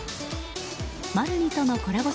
マルニとのコラボ